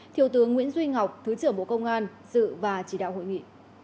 thiếu tướng nguyễn duy ngọc thứ trưởng bộ công an dự và chỉ đạo hội nghị